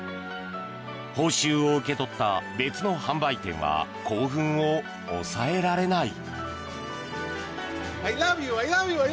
報酬を受け取った別の販売店は興奮を抑えられない。